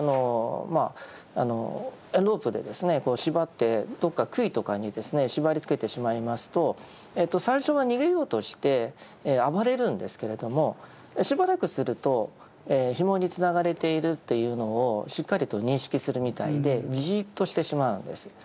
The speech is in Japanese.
ロープで縛ってどこか杭とかに縛りつけてしまいますと最初は逃げようとして暴れるんですけれどもしばらくするとひもにつながれているというのをしっかりと認識するみたいでじっとしてしまうんです。